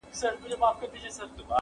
قصیدو ته ځان تیار کړ شاعرانو،